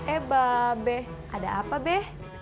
eh mba be ada apa be